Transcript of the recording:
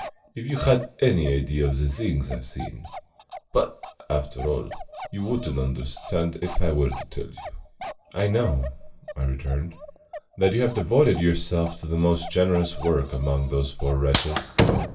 If you had any idea of the things I've seen But, after all, you would n't understand if I were to tell you." "I know," I returned, "that you have devoted yourself to the most generous work among those poor wretches."